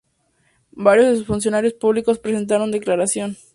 Varios de sus funcionarios públicos presentaron declaración.